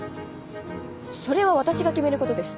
それは私が決めることです。